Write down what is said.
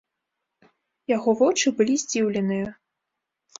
Яго вочы былі здзіўленыя.